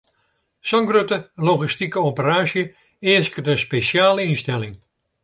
Sa'n grutte logistike operaasje easket in spesjale ynstelling.